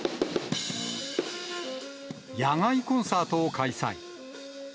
野外コンサートを開催。